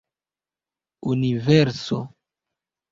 universo